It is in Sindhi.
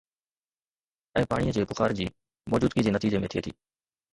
۽ پاڻيء جي بخار جي موجودگي جي نتيجي ۾ ٿئي ٿي